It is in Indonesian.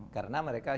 karena mereka hidup